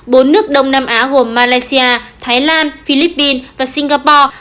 bốn nước đông nam á gồm malaysia thái lan philippines và singapore